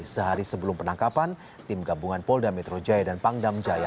sehari sebelum penangkapan tim gabungan polda metro jaya dan pangdam jaya